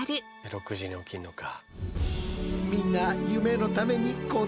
６時に起きるのか。